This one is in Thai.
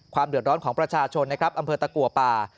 ความเดือดร้อนของประชาชนอำเภอตะกัวป่า